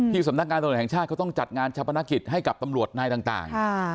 สำนักงานตำรวจแห่งชาติเขาต้องจัดงานชาปนกิจให้กับตำรวจนายต่าง